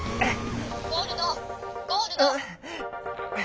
「ゴールドゴールド。